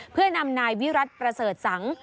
เพื่อนำนายวิรัติประเสริฐสัง